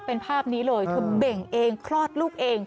เป็นภาพนี้เลยเธอเบ่งเองคลอดลูกเอง